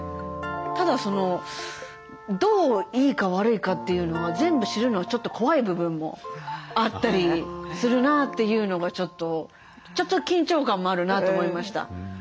ただどういいか悪いかというのは全部知るのはちょっと怖い部分もあったりするなというのがちょっとちょっと緊張感もあるなと思いました。